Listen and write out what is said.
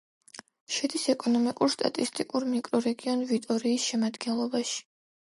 შედის ეკონომიკურ-სტატისტიკურ მიკრორეგიონ ვიტორიის შემადგენლობაში.